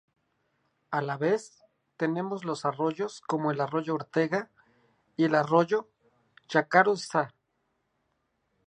A la vez tenemos los arroyos como el Arroyo Ortega y Arroyo Ykãrõ`ysa.